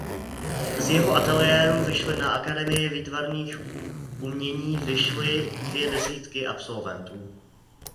Z jeho ateliéru vyšly na Akademii výtvarných umění vyšly dvě desítky absolventů.